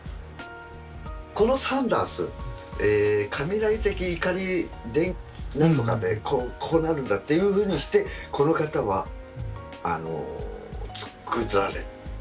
このサンダース雷的怒りなんとかでこうなるんだっていうふうにしてこの方は作られた。